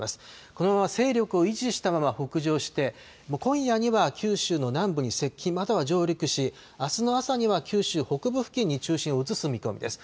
このまま勢力を維持したまま北上して、今夜には九州の南部に接近、または上陸し、あすの朝には九州北部付近に中心を移す見込みです。